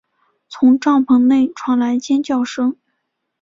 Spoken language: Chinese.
从帐篷内传来尖叫声